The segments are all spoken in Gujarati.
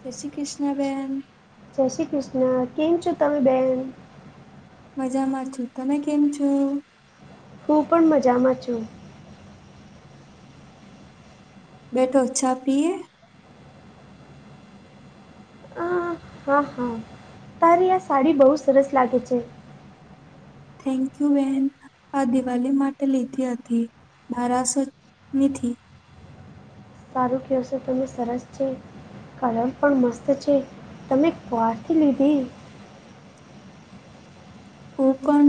જય શ્રી કૃષ્ણ બેેન. જય શ્રી કૃષ્ણ કેમ છો તમે બેહેન. મજામાં છું તમે કેમ છો. હું પણ મજામાં છું. બેઠો છા પીએ. આ હા હા તારી આ સાડી બહુ સરસ લાગે છે. થેન્ક યુ બેેન. આ દિવાળી માટે લીધી હતી બારાસો નીથી. સારું કહશો તમે સરસ છે. કલમ પણ મસ્ત છે તમે ક્યાંથી લીધી. ઓ પણ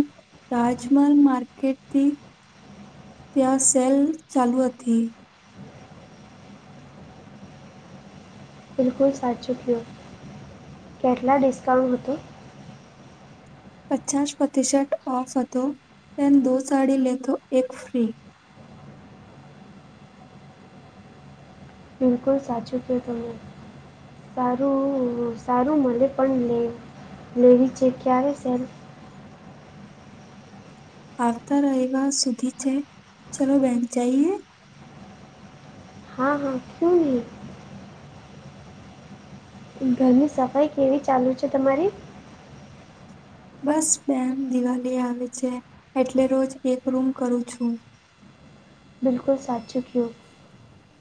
રાજમલ માર્કેટથી ત્યાં સેલ ચાલુ હતી બિલકુલ સાચૂક્યો કેટલા ડિસ્કાઉન્ટ હતો પચાસ પ્રતિશટ ઓફ હતો એન દો સાડી લેતો એક ફ્રી. બિલકુલ સાચું કો તમેને. સારું સારું મળે પણે લેવી છે ક્યારે સેલ્ આવતા રહેવા સુધી છે ચલો બેન જઈએ હા હા શું નહી ઘરની સફાઈ કેવી ચાલુ છે તમારી. બસ બેન દિવાળી આવે છે એટલે રોજ એક રૂમ કરું છું. બિલકુલ સાચુ કયો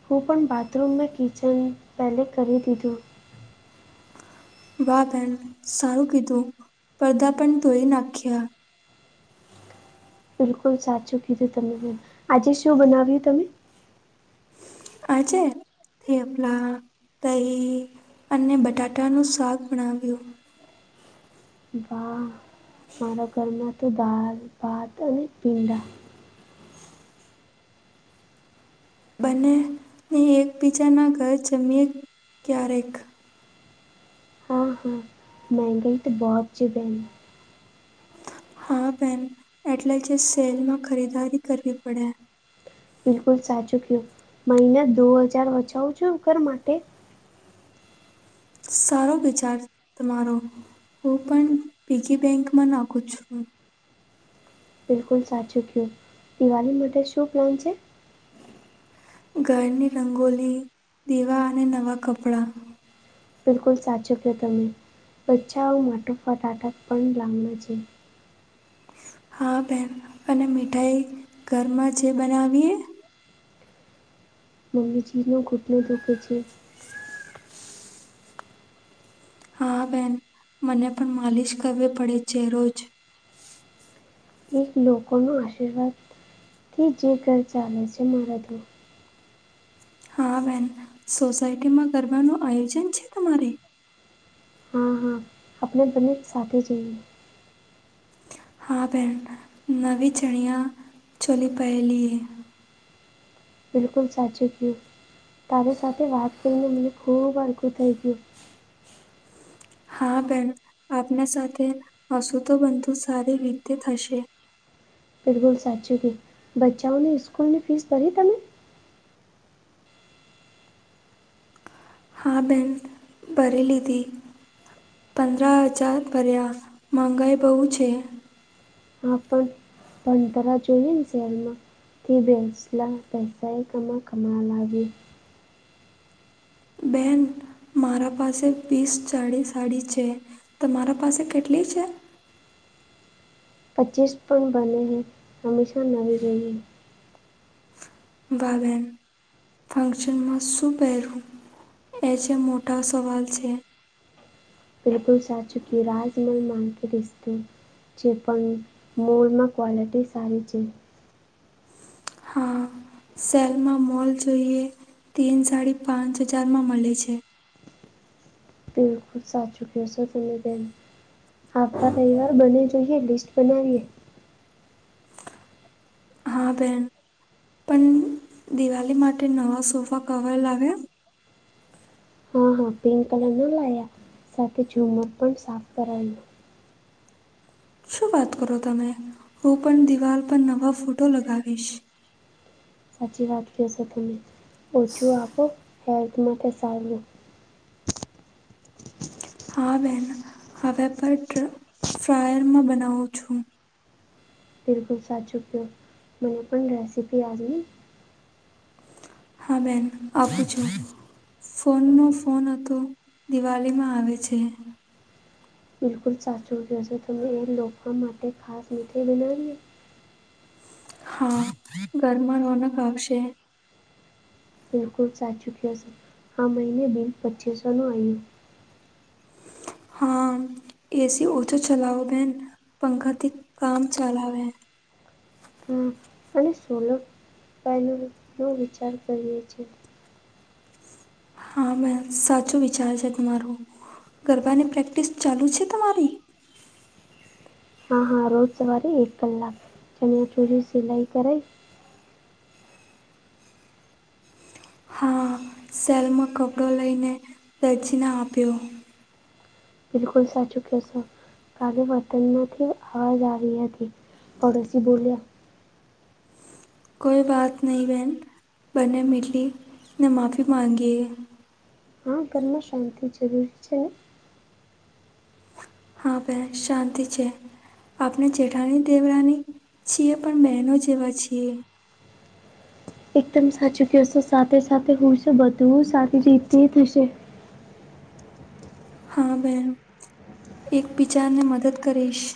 હું પણ બાથરૂમમાંં કિચન પહેલે કરી દીધું. વા બેહેન સારું કીધું પડદા પણ ધોઈ નાખ્યા. બિલકુલ સાચું કીધું તમેન આજે શું બનાવ્યું તમે. આજે થેપલા દહી અને બટાટાનું શાક બનાવ્યું. બાહ મારા ઘરના તો દાલ બાથ અને પીંડા બને એકબીજાના ઘર જમીએ ક્યારેક હા-હા મેગાઈ તો બો [unintelligible] હા બેન એટલે જે સેલમાં ખરીદારી કરવી પડે. બિલકુલ સાચું કયું મહિને દો હજાર બચાવું છું ઘર માટે સારો વિચાર તમારો હું પણ પીગી બેંકમાં નાખું છું. બિલકુલ સાચું કયું દિવાળી માટે શું પ્લાન છે ઘરની રંગોલી દીવા અને નવા કપડાં. બિલકુલ સાચું કયો તમે બચા [unintelligible] હા બેહેન અને મીઠાઈ ઘરમાં જે બનાવીએ મમ્મીજીીનો ઘુટનો દુઃખે છે. હા બેન મને પણ માલિશ કરવી પડે છે, રોજ. એક લોકોનો આશીર્વાદથી જે ઘર ચાલે છે, મારા તો. હા બેન સોસાયટીમાં ગરબાનું આયોજન છે, તમારે હા-હા આપણે બને સાથે જઈએ. હા ભેણ નવી ચણિયા છોલી પહેલી એ. બિલકુલ સાચું કયું તારી સાથે વાત કરીને મને ખૂબ [unintelligible] થઈ ગયું. હા બેન આપના સાથે હસુ તો બનતું સારી રીતે થશે. બિલકુલ સાચું કીધું બચ્ચાઓની સ્કૂલ ની ફીસ ભરી તમે? હા બેન ભરી લીધી. પંદર હજાર ભર્યા મંગાઈ બહુ છે. હા પણ ભંતાર જોઈએ ને સેલમાં [unintelligible] બેન મારા પાસે પીસ [unintelligible] સાડી છે. તમારા પાસે કેટલી છે? પચીસ પણ બને છે, હંમેશા નવી રઈએ [unintelligible] ફંક્શનમાં શું પહેરું એ જે મોટા સવાલ છે. બિલકુલ સાચુ કયું રાજમલમાં કે રિશતો છે પણ મોલ માં ક્વલિટી સારી છે. હા સેલમાં મોલ જોઈએ તીન સાડી પાંચ હજારમાં મળે છે. બિલકુલ સાચુ ક્યો છો તમે બેન આવતા તહેવાર બને જોઈએ લિસ્ટ બનાવીએ. હા બેન પણ દિવાળી માટે નવા સોફા કવર લાવ્યા? હા-હા પિંક કલર ના લાયા સાથે ઝુમર પણ સાફ કરાયું શું વાત કરો તમે હું પણ દિવાલ પર નવા ફોટો લગાવીશ. સાચી વાત કહેશો તમે ઓછું આપો હેલ્થ માટે સારું હા બેન હવે બટ ફ્રાયરમાં બનાવું છું. બિલકુલ સાચું કયો મને પણ રેસીપી આલની હા બેન આપું છું. ફોનનો ફોન હતો દિવાળીમાં આવે છે. બિલકુલ સાચું કયો શો તમે એ લોખવા માટે ખાસ મીઠાઈ બનાવીએ હા ઘરમાં રોનક આવશે. બિલકુલ સાચું કયો શો આ મહિને બિલ પચીસોનું આવ્યું. હા એસી ઓછો ચલાવો બેન પંખાથી કામ ચલાવે હા અને સોલર પેનલનો વિચાર કરીએ છીએ. હા બેન સાચું વિચાર છે, તમારું ગરબાની પ્રેક્ટિસ ચાલુ છે, તમારી? હા-હા રોજ સવારે એક કલાક ચણ્યા ચોરી સલાઈ કરાઈ હા સેલમાં કપડો લઈને દરજીને આપ્યો. બિલકુલ સાચુ ક્યો શો કાલે વર્તનમાંથી અવાજ આવી હતી પડોશી બોલ્યા. કોઈવાત નહીં બહેન બંને મિલીને માફી માંગીએ. હા ઘરમાં શાંતિ જરૂરી છે, ને હા બેન શાંતિ છે. આપણે જેઠાણી દેવરાની છીએ, પણ બહેનો જેવા છીએ. એકદમ સાચું કહેશો સાથે સાથે હું છે, બધું સારી રીતે થશે. હા, બેહેન એક બિજાને મદદ કરીશ.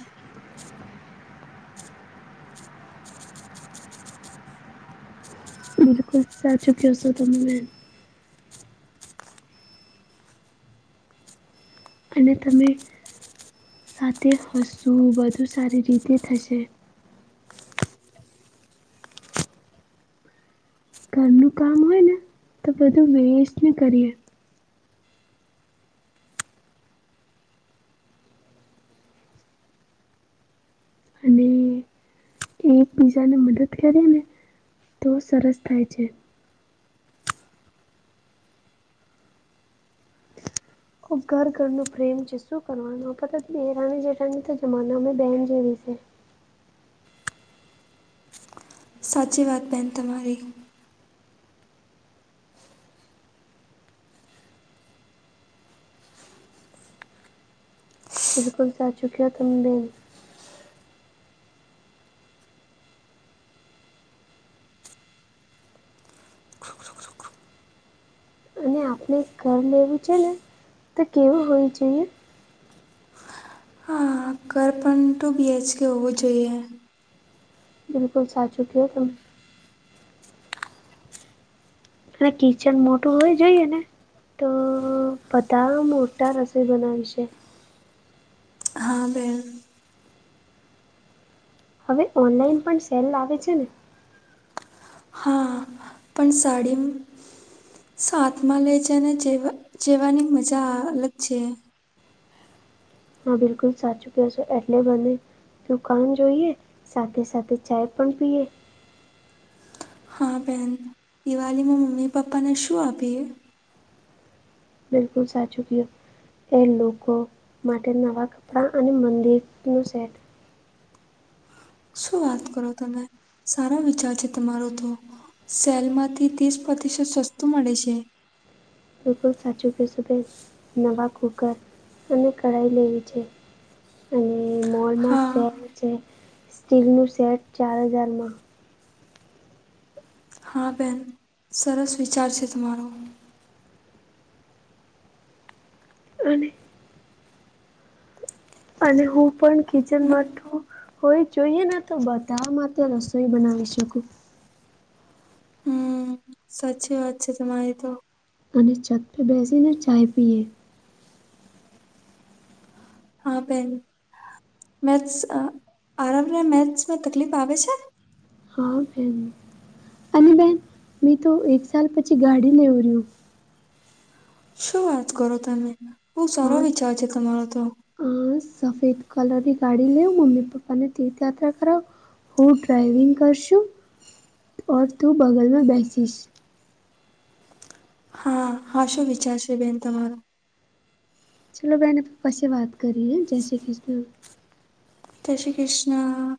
ગુસ્સા ચુક્યો છો, તમે મે. અને તમે સાથે હસવો બધું સારી રીતે થશે, ઘરનું કામ હોય નેતો બધું વેસ્ટને કરીએ. અને, એકબીજાને મદદ કરીને તો સરસ થાય છે, ખબ ઘર ઘરનું પ્રેમ છે, શું કરવાનું દેરાની જેઠાની તો જમાના અમે બહેન જેવી છે. સાચી વાત બેહેન તમારી. બિલકુલ સાચું ક્યો તમે બોલ. અને આપણે ઘર લેવું છે, ને તો કેવું હોવી જોઈએ. હા ઘર પણ ટુ બીએચકે હોવું જોઈએ. બિલકુલ સાચુ કયો તો, અને કિચન મોટું હોય જોઈએને, તો બધા મોટા રસોઈ બનાવીશે. હા, બેન. હવે ઓનલાઈન પણ સેલ આવેે છે, ને હા, પણ સાડીમાં. સાથમાં લેજને જેવા જેવાની મજા અલગ છે. હા બિલકુલ સાચૂક્યો છે, એટલે બને દુકાન જોઈએ સાથે સાથે ચાય પણ પીએ. હા બેન, દિવાળીમાં મમ્મી પપ્પાને શું આપીએ. બિલકુલ સાચુ કયો. એ લોકો માટે નવાં કપડાં અને મંદિરનું સેટ, શું વાત કરો તમે સારા વિચાર છે, તમારો તો સેલમાંથી ત્રીસ પ્રતિશત સસ્તું મળે છે. બિલકુલ સાચું કેશુંભાઈ નવા કુકર અને કઢાઈ લેવી જોઈએ. અને મોલમાં હા સેટ છે, સ્ટીલનું સેટ ચાર હજારમાં હા બેન સરસ વિચાર છે, તમારો અને અને હું પણ મે- કિચનમાં, હોય જોઈએ નેતો બધા માટે રસોઈ બનાવી શકું. હમ સાચી વાત છે, તમારી તો. અને છત પર બેસીને ચાય પીએ. હા બેન મેથ્સ આરામને મેથ્સમાં તકલીફ આવે છે, હા, બેન અને બેન મેંતો એક સાલ પછી ગાડી લેવી રહ્યું. શું વાત કરો તમે બહુ સારો હા વિચાર છે, તમારો તો અ સફેદ કલરની ગાડી લેવું, મમ્મી પપ્પા ને તીર્થયાત્રા કરાવે. હું ડ્રાઈવિંગ કરશું, ઓર તું બગલમાં બેસીશ. હાશું વિચારશે બેન તમારો. ચલો મેને પપ્પાસે વાત કરી હે, જય શ્રી કૃષ્ણ. જય શ્રી કૃષ્ણ.